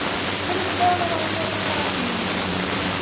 Fue sepultado en la Abadía de Westminster.